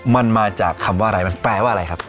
มันมาจากคำว่าอะไรมันแปลว่าอะไรครับ